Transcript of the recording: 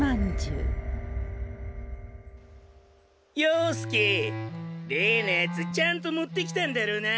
洋介例のやつちゃんと持ってきたんだろうな。